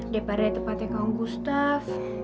daripada tempatnya kamu gustaf